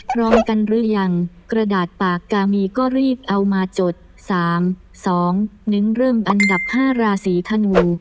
พร้อมกันหรือยังกระดาษปากกามีก็รีบเอามาจด๓๒นึ้งเริ่มอันดับ๕ราศีธนู